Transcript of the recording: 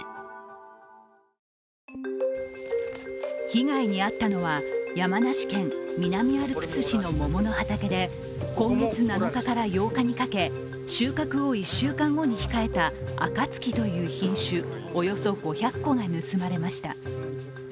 被害に遭ったのは、山梨県南アルプス市の桃の畑で今月７日から８日にかけ収穫を１週間後に控えたあかつきという品種およそ５００個が盗まれました。